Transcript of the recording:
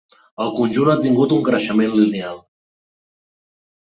El conjunt ha tingut un creixement lineal.